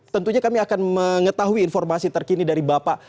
tentunya kami akan mengetahui informasi terkini dari bapak